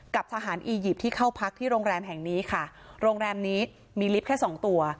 กับทหารอียิปต์ที่เข้าพักที่โรงแรมแห่งนี้ค่ะโรงแรมนี้มีลิฟต์แค่สองตัว